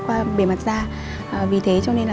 qua bề mặt da vì thế cho nên